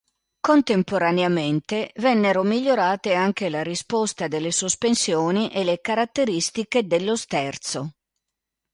Contemporaneamente vennero migliorate anche la risposta delle sospensioni e le caratteristiche dello sterzo.